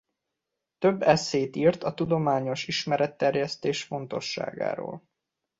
Több esszét írt a tudományos ismeretterjesztés fontosságáról.